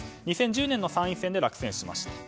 ２０１０年の参議院選挙で落選しました。